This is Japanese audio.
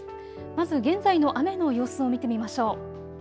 まず現在の雨の様子を見てみましょう。